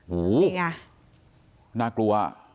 โหน่ากลัว